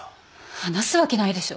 話すわけないでしょ。